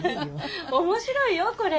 面白いよこれ。